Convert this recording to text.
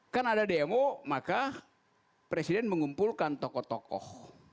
kan ada demo maka presiden mengumpulkan tokoh tokoh